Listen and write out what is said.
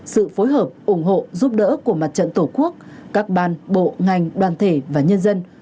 sự phối hợp ủng hộ giúp đỡ của mặt trận tổ quốc các ban bộ ngành đoàn thể và nhân dân